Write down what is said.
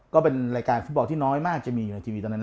ก็เป็นรายการฟุตบอลที่น้อยมากจะมีอยู่ในทีวีตอนนั้น